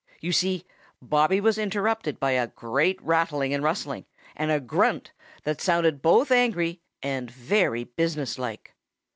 You see, Bobby was interrupted by a great rattling and rustling and a grunt that sounded both angry and very business like.